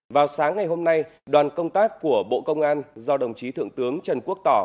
vào sáng ngày hôm nay đoàn công tác của bộ công an do đồng chí thượng tướng trần quốc tỏ